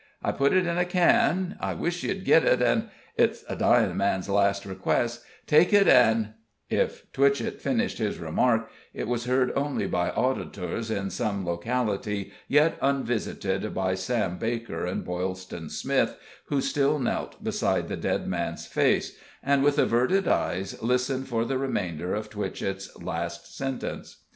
I put it in a can I wish you'd git it, and it's a dying man's last request take it and " If Twitchett finished his remark, it was heard only by auditors in some locality yet unvisited by Sam Baker and Boylston Smith, who still knelt beside the dead man's face, and with averted eyes listened for the remainder of Twitchett's last sentence.